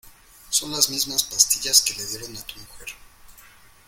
son las mismas pastillas que le dieron a tu mujer